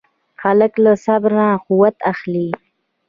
هلک له صبر نه قوت اخلي.